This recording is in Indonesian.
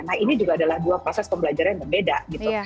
nah ini juga adalah dua proses pembelajaran yang berbeda gitu